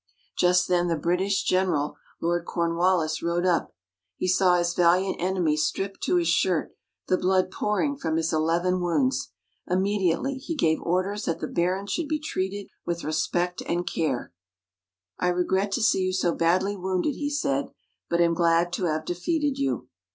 Just then the British General, Lord Cornwallis, rode up. He saw his valiant enemy stripped to his shirt, the blood pouring from his eleven wounds. Immediately, he gave orders that the Baron should be treated with respect and care. "I regret to see you so badly wounded," he said, "but am glad to have defeated you."